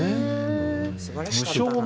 すばらしかったな。